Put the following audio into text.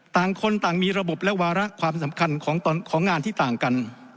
ต่างคนต่างมีระบบและวาระความสำคัญของงานที่ต่างกัน